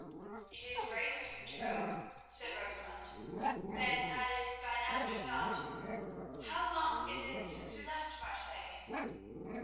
"It is brave of you to go," said Rosamund, then added by an afterthought, "How long is it since we left Marseilles?"